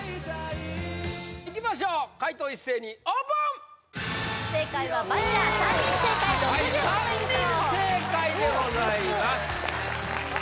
いきましょう解答一斉にオープン正解は「バニラ」３人正解６０ポイント３人正解でございます